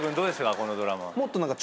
このドラマ。